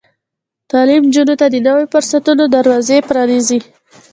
تعلیم نجونو ته د نويو فرصتونو دروازې پرانیزي.